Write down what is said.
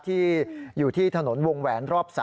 ที่อยู่ที่ถนนวงแหวนรอบ๓